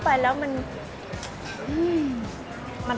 สวัสดีครับ